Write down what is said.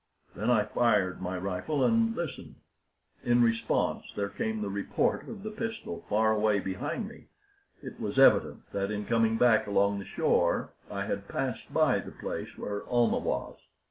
Then I fired my rifle and listened. In response there came the report of the pistol far away behind me. It was evident that in coming back along the shore I had passed by the place where Almah was.